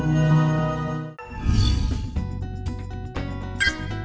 xin chào và hẹn gặp lại